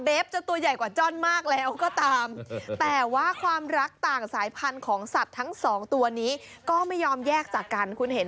เบฟจะตัวใหญ่กว่าจำทั้งสองตัวนี้ก็ไม่ยอมแยกจากกันคุณเห็น